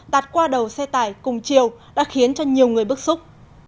tạt qua đầu xe tải cùng chiều đã khiến cho nhiều người bức xúc